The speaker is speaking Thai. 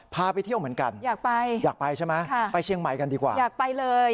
พาไปเที่ยวเหมือนกันอยากไปอยากไปใช่ไหมไปเชียงใหม่กันดีกว่าอยากไปเลย